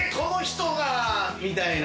みたいな。